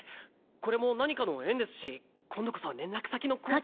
これも何かの縁ですし今度こそ連絡先の交換。